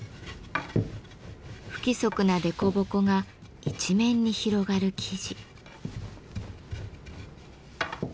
不規則な凸凹が一面に広がる生地。